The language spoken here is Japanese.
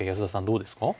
どうですか？